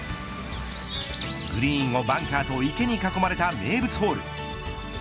グリーンをバンカーと池に囲まれた名物ホール。